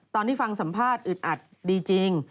ตอนที่ฟังสัมภาษณ์อึดอัดดีจริง